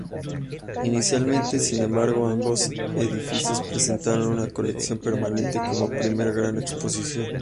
Inicialmente, sin embargo, ambos edificios presentarán una colección permanente como primera gran exposición.